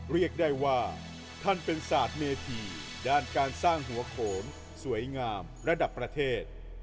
เรียกได้ว่าท่านเป็นศาสตร์เมธีด้านการสร้างหัวโขนสวยงามระดับประเทศ